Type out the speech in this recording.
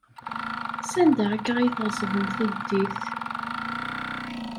Sanda akka ay tɣeṣbem tiddit?